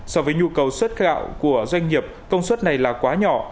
so với nhu cầu xuất gạo của doanh nghiệp công suất này là quá nhỏ